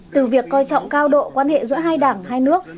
từ việc coi trọng cao độ quan hệ giữa hai đảng hai nước